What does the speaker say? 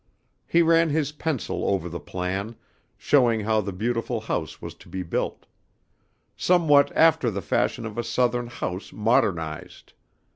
He ran his pencil over the plan, showing how the beautiful house was to be built. Somewhat after the fashion of a Southern house modernized.